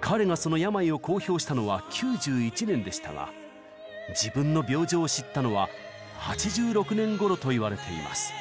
彼がその病を公表したのは９１年でしたが自分の病状を知ったのは８６年ごろといわれています。